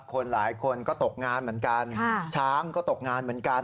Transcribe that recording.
คนหลายคนก็ตกงานเหมือนกันช้างก็ตกงานเหมือนกัน